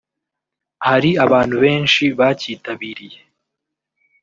hari abantu benshi bacyitabiriye